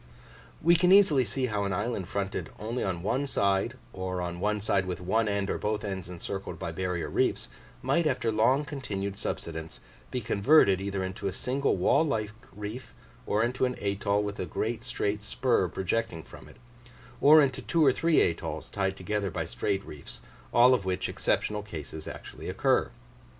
We can easily see how an island fronted only on one side, or on one side with one end or both ends encircled by barrier reefs, might after long continued subsidence be converted either into a single wall like reef, or into an atoll with a great straight spur projecting from it, or into two or three atolls tied together by straight reefs all of which exceptional cases actually occur.